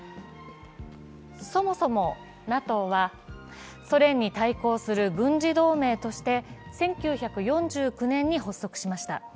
そもそれＮＡＴＯはソ連に対抗する軍事同盟として１９４９年に発足しました。